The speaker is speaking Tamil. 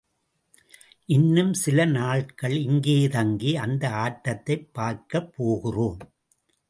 இன்னும் சில நாள்கள் இங்கே தங்கி அந்த ஆட்டத்தைப் பார்க்கப் போகிறோம்.